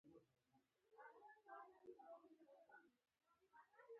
ژبه د انسان تر ټولو مهمه وسیله ده.